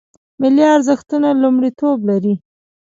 ملي ارزښتونه لومړیتوب لري